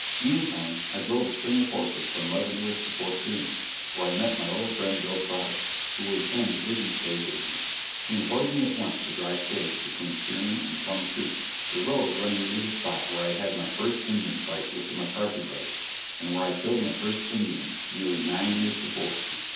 Meantime I drove a string of horses from Leavenworth to Fort Kearney, where I met my old friend Bill Trotter, who was then division stage agent. He employed me at once to drive stage between Kearney and Plum Creek, the road running near the spot where I had my first Indian fight with the McCarthy brothers, and where I killed my first Indian, nearly nine years before.